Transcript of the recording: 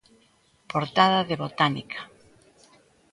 Portada de 'Botánica'.